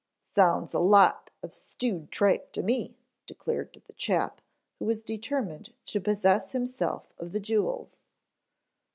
"Sounds like a lot of stewed tripe to me," declared the chap who was determined to possess himself of the jewels.